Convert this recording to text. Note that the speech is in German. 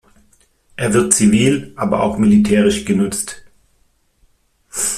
Er wird zivil, aber auch militärisch genutzt.